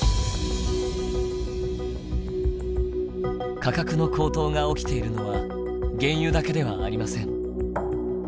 価格の高騰が起きているのは原油だけではありません。